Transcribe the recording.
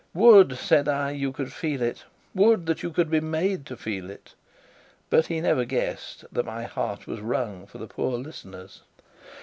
'Would,' said I, 'you could feel it would that you could be made to feel it.' But he never guessed that my heart was wrung for the poor listeners.